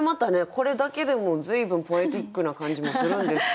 これだけでも随分ポエティックな感じもするんですけれども。